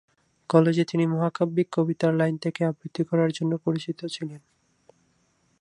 কলেজে তিনি মহাকাব্যিক কবিতার লাইন থেকে আবৃত্তি করার জন্য পরিচিত ছিলেন।